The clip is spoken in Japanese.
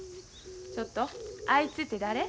ちょっとあいつって誰？